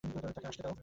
তাকে আসতে দাও।